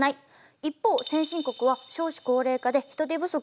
一方先進国は少子高齢化で人手不足。